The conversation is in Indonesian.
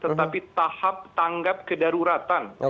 tetapi tahap tanggap kedaruratan